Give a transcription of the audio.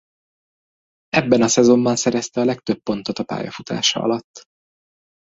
Ebben a szezonban szerezte a legtöbb pontot a pályafutása alatt.